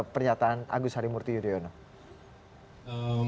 pernyataan agus harimurti yudhoyono